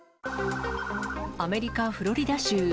アメリカ・フロリダ州。